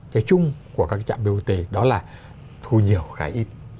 cái chung của các cái trạm bot đó là thu nhiều khai ít